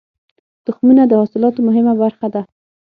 تخمونه د حاصلاتو مهمه برخه ده.